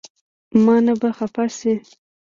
مانه به خفه شې